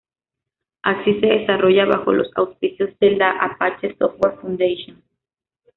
Axis se desarrolla bajo los auspicios de la Apache Software Foundation.